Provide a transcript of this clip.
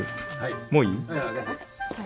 もういい？